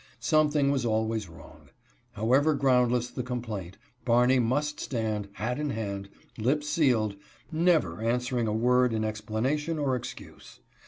Something was always wrong. However groundless the complaint, Barney must stand, hat in hand, lips sealed, never answering a word in explanation or excuse.